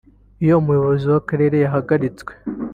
Iyo umuyobozi w’Akarere yahagaritswe